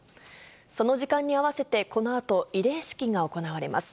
その時間に合わせて、このあと、慰霊式が行われます。